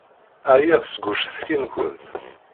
Ɛyiɣ seg ucetki-nkent.